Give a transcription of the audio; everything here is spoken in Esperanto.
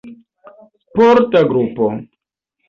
Sporta grupo.